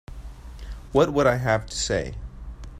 What would I have to say?